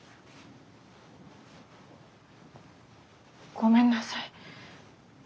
ごめんなさい。